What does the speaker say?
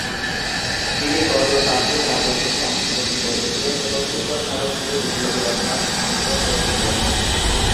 তিনি গদর পার্টির কার্যক্রমে অংশগ্রহণ করেছিলেন এবং উত্তর ভারত জুড়ে বিপ্লবী রচনার সংমিশ্রণ করেছিলেন।